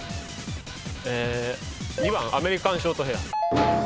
２番アメリカンショートヘア。